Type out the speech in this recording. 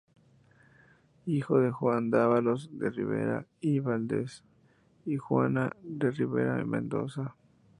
Hijo de Juan Dávalos de Ribera y Valdez, y Juana de Ribera Mendoza.